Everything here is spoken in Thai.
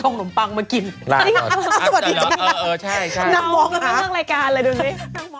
นั่งมองแล้วดูดูนี้